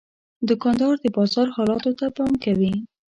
دوکاندار د بازار حالاتو ته پام کوي.